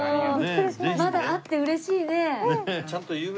まだあって嬉しいね。